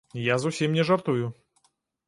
Я зусім не жартую.